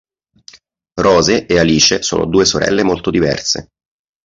Rose e Alice sono due sorelle molto diverse.